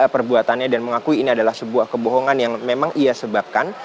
perbuatannya dan mengakui ini adalah sebuah kebohongan yang memang ia sebabkan